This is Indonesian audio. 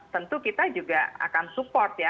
tentu kita juga akan support ya